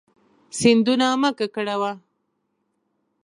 سیندونه مه ککړوه.